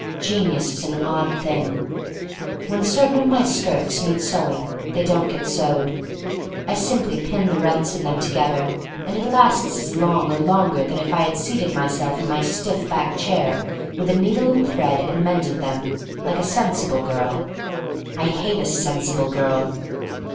Genius is an odd thing. When certain of my skirts need sew ing, they don't get sewed. I simply pin the rents in them together and it lasts as long or longer than if I had seated myself in my stiff backed chair with a needle and thread and mended them — like a sensible girl. (I hate a sensible girl.)